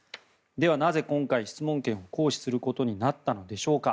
では、なぜ今回質問権を行使することになったのでしょうか。